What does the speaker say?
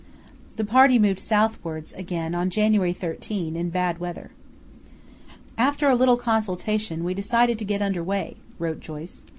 The party moved southwards again on January 13 in bad weather. "After a little consultation we decided to get under way," wrote Joyce.